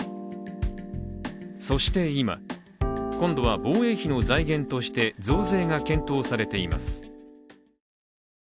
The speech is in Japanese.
そして今、今度は防衛費の財源として増税が検討されています。